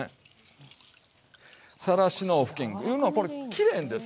さらしの布巾いうのはこれきれいのですよ。